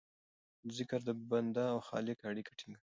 ذکر د بنده او خالق اړیکه ټینګوي.